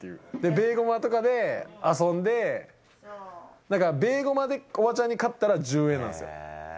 ベーゴマとかで遊んで、なんか、ベーゴマでおばちゃんに勝ったら、１０円なんすよ。